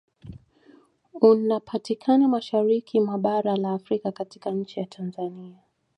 Unapatikana mashariki mwa bara la Afrika katika nchi ya Tanzania